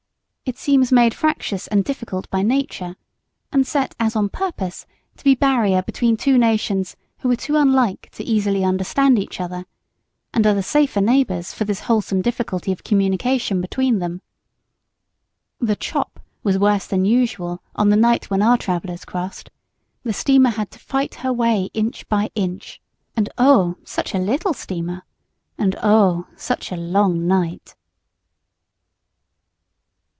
It seems made fractious and difficult by Nature, and set as on purpose to be barrier between two nations who are too unlike to easily understand each other, and are the safer neighbors for this wholesome difficulty of communication between them. The "chop" was worse than usual on the night when our travellers crossed; the steamer had to fight her way inch by inch. And oh, such a little steamer! and oh, such a long night!